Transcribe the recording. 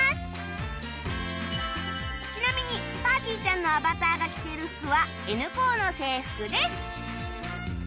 ちなみにぱーてぃーちゃんのアバターが着ている服は Ｎ 高の制服です